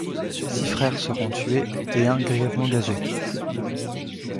Six frères seront tués et un grièvement gazé.